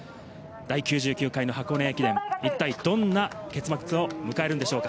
第９９回の箱根駅伝、一体どんな結末を迎えるんでしょうか？